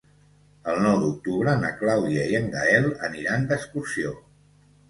El nou d'octubre na Clàudia i en Gaël aniran d'excursió.